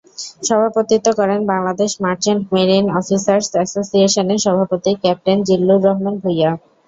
সভাপতিত্ব করেন Bangladesh merchant marine officers অ্যাসোসিয়েশনের সভাপতি ক্যাপ্টেন জিল্লুর রহমান ভুঁইঞা।